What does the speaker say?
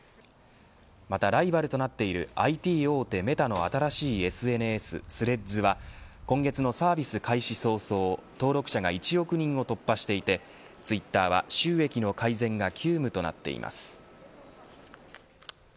またライバルとなっているＩＴ大手メタの新しいＳＮＳスレッズは今月のサービス開始早々登録者が１億人を突破していてツイッターは収益の改善が急務となっています。